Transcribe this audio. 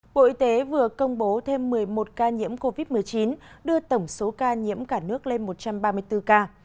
bộ y tế vừa công bố thêm một mươi một ca nhiễm covid một mươi chín đưa tổng số ca nhiễm cả nước lên một trăm ba mươi bốn ca